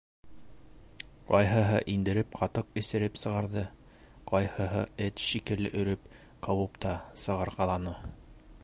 Ҡайһыһы индереп ҡатыҡ эсереп сығарҙы, ҡайһыһы эт шикелле өрөп ҡыуып та сығарғыланы.